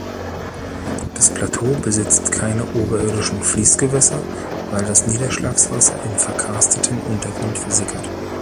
Das Plateau besitzt keine oberirdischen Fließgewässer, weil das Niederschlagswasser im verkarsteten Untergrund versickert.